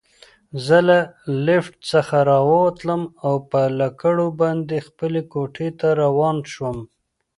زه له لفټ څخه راووتلم او پر لکړو باندې خپلې کوټې ته روان شوم.